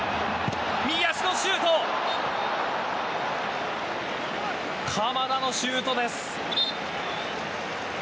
右足のシュート鎌田のシュートです。